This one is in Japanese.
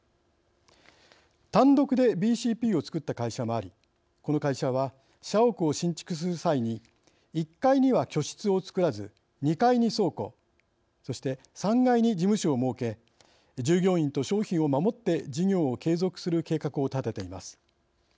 単独でＢＣＰを作った会社もありこの会社は社屋を新築する際に１階には居室を作らず２階に倉庫そして３階に事務所を設け従業員と商品を守って事業を継続する計画を立てています。